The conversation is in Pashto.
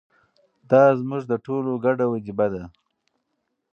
دا زموږ د ټولو ګډه وجیبه ده.